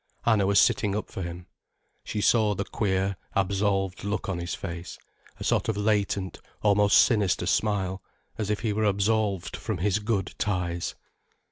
Anna was sitting up for him. She saw the queer, absolved look on his face, a sort of latent, almost sinister smile, as if he were absolved from his "good" ties.